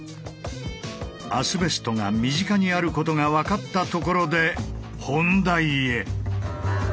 アスベストが身近にあることが分かったところで本題へ。